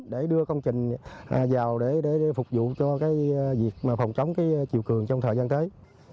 để đưa công trình vào để phục vụ cho việc phòng chống chiều cường trong thời gian tới